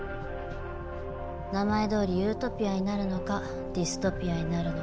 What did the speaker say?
名前どおりユートピアになるのかディストピアになるのか。